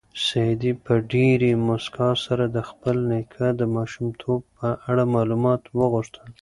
سعید په ډېرې موسکا سره د خپل نیکه د ماشومتوب په اړه معلومات وغوښتل.